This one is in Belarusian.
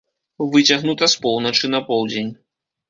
Выцягнута з поўначы на поўдзень.